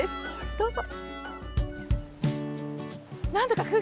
どうぞ。